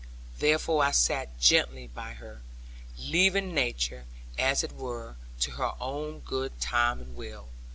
Therefore I sat gently by her, leaving nature, as it were, to her own good time and will.